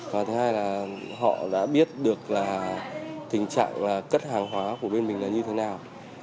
và thứ hai là họ đã biết được là tình trạng cất hàng hóa của bên mình là như thế nào